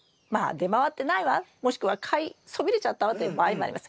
「出回ってないわ」もしくは「買いそびれちゃったわ」っていう場合もあります。